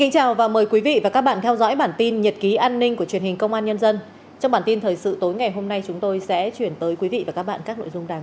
chào mừng quý vị đến với bản tin nhật ký an ninh của truyền hình công an nhân dân